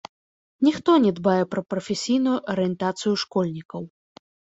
Ніхто не дбае пра прафесійную арыентацыю школьнікаў.